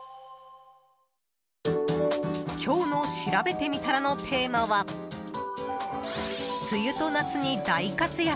今日のしらべてみたらのテーマは、梅雨と夏に大活躍。